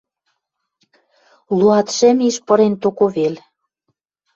Луатшӹм иш пырен токо вел.